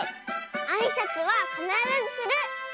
あいさつはかならずする！